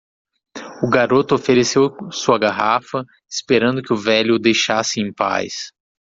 O garoto ofereceu sua garrafa, esperando que o velho o deixasse em paz.